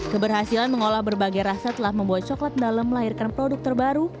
keberhasilan mengolah berbagai rasa telah membuat coklat dalam melahirkan produk terbaru